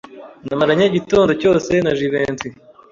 Namaranye igitondo cyose na Jivency.